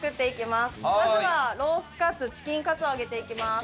まずはロースカツチキンカツを揚げていきます。